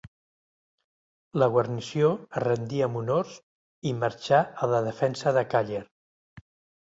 La guarnició es rendí amb honors i marxà a la defensa de Càller.